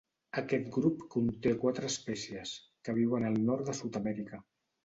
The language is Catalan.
Aquest grup conté quatre espècies, que viuen al nord de Sud-amèrica.